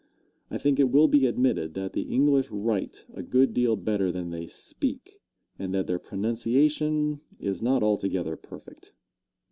I think it will be admitted that the English write a good deal better than they speak, and that their pronunciation is not altogether perfect.